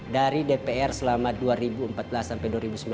dari dpr selama dua ribu empat belas sampai dua ribu sembilan belas